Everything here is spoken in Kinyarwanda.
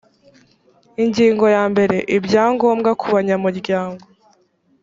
ingingo ya mbere ibyangombwa kubanyamuryango